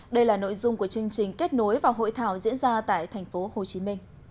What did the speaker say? đây là nội dung của chương trình kết nối và hội thảo diễn ra tại tp hcm